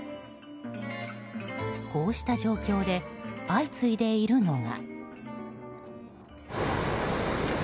こうした状況で相次いでいるのが。